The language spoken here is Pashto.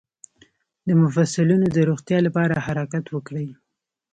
د مفصلونو د روغتیا لپاره حرکت وکړئ